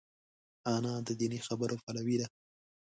انا د دیني خبرو پلوي ده